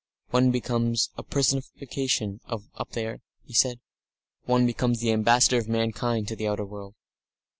"One becomes a personification up there," he said. "One becomes the ambassador of mankind to the outer world.